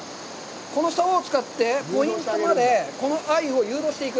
このさおを使ってポイントまでこのアユを誘導していく？